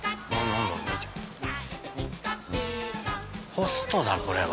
ポストだこれは。